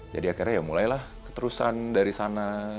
jadi akhirnya ya mulailah keterusan dari sana